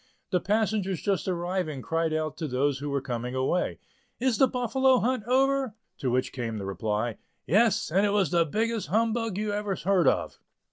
The passengers just arriving cried out to those who were coming away, "Is the Buffalo Hunt over?" To which came the reply, "Yes, and it was the biggest humbug you ever heard of!"